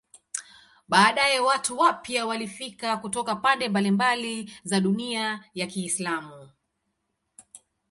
Baadaye watu wapya walifika kutoka pande mbalimbali za dunia ya Kiislamu.